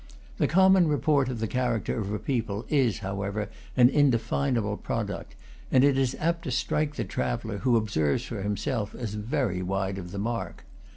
The common report of the character of a people is, how ever, an indefinable product; and it is, apt to strike the traveller who observes for himself as very wide of the mark.